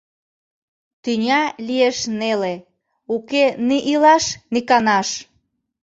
Тӱня лиеш неле — Уке ни илаш, ни канаш.